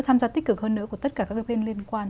tham gia tích cực hơn nữa của tất cả các bên liên quan